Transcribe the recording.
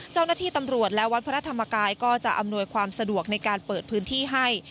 เจ้าหน้าที่ตำรวจและวัดพระธรรมกายก็จะอำนวยความสะดวกในการเปิดพื้นที่ให้